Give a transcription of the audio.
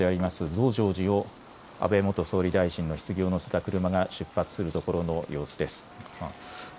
増上寺を安倍元総理大臣のひつぎを乗せた車が出発するところの様子です。